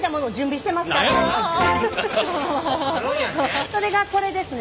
さすが。それがこれですね。